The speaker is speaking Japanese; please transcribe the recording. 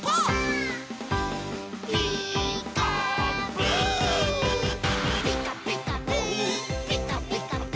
「ピカピカブ！ピカピカブ！」